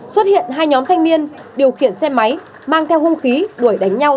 xuất hiện hai nhóm thanh niên điều khiển xe máy mang theo hung khí đuổi đánh nhau